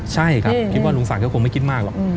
ใช่ครับคิดว่าลุงศักดิ์ก็คงไม่คิดมากหรอก